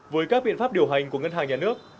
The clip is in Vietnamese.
với các biện pháp điều hành của ngân hàng nhà nước